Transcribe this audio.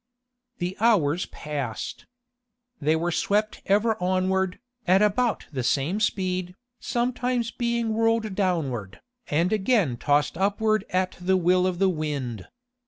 The hours passed. They were swept ever onward, at about the same speed, sometimes being whirled downward, and again tossed upward at the will of the wind.